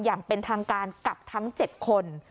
อย่างเป็นทางการกับทั้ง๗คน